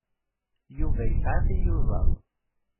Yuba yesɛa tiyuzaḍ.